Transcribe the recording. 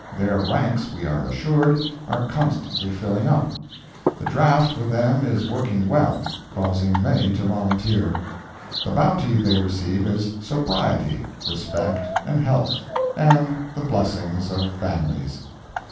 Their ranks, we are assured, are constantly filling up. The draught with them is working well, causing many to volunteer. The bounty they receive is sobriety, respect and health, and the blessings of families.